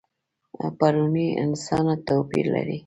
پروني انسانه توپیر لري.